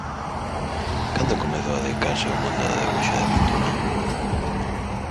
Cando comezou a dedicarse ao mundo do debuxo e a pintura?